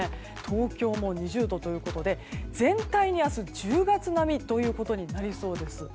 東京も２０度ということで全体に、明日１０月並みとなりそうです。